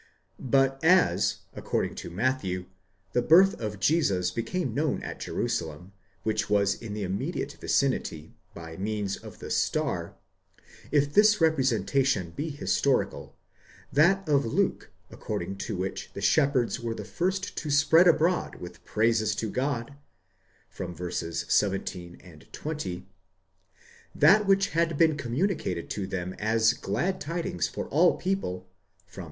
But as, according to Matthew, the birth of Jesus became known at Jerusalem, which was in the immediate vicinity, by means of the star; if this representation be historical, that of Luke, according to which the shepherds were the first to spread abroad with praises to God (v. 17, 20), that which had been communicated to them as glad tidings for all people (v.